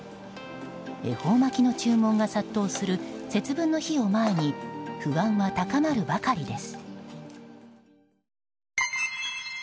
恵方巻きの注文が殺到する節分の日を前に不安は高まるばかりです。